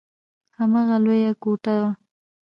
هماغه لويه کوټه وه.